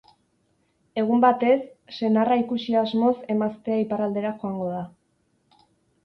Egun batez, senarra ikusi asmoz emaztea iparraldera joango da.